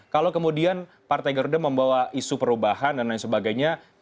kalau kemudian partai garuda membawa isu perubahan dan lain sebagainya